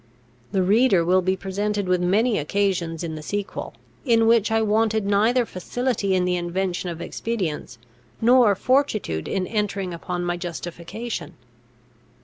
The reader will be presented with many occasions in the sequel, in which I wanted neither facility in the invention of expedients, nor fortitude in entering upon my justification.